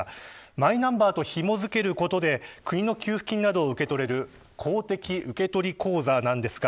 マイナンバーとひも付けることで国の給付金などを受け取れる公的受取口座なんですか